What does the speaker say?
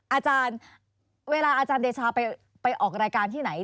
อาจารย์เวลาอาจารย์เดชาไปออกรายการที่ไหน